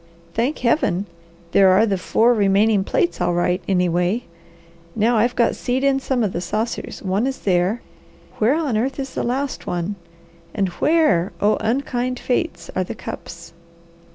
Thank Heaven, there are the four remaining plates all right, anyway! Now I've got seed in some of the saucers; one is there; where on earth is the last one? And where, oh unkind fates! are the cups?"